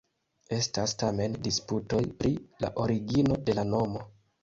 Estas tamen disputoj pri la origino de la nomo.